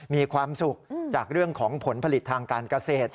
มีความสุขจากเรื่องของผลผลิตทางการเกษตร